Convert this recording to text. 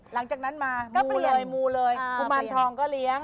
หลังจากนั้นมาก็เปลี่ยน